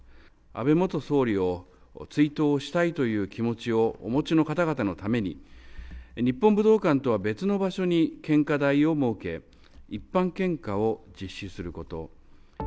安倍元総理を追悼したいという気持ちをお持ちの方々のために、日本武道館とは別の場所に献花台を設け、一般献花を実施すること。